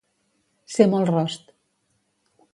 Ser molt rost.